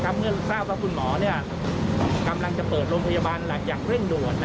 เมื่อรุ่นเศร้าพระคุณหมอกำลังจะเปิดโรงพยาบาลอย่างเร่งด่วน